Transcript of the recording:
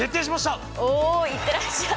おお行ってらっしゃい。